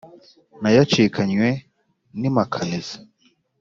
nta yacikanywe n’impakanizi